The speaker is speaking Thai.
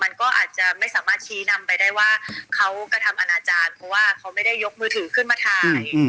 มันก็อาจจะไม่สามารถชี้นำไปได้ว่าเขากระทำอนาจารย์เพราะว่าเขาไม่ได้ยกมือถือขึ้นมาถ่าย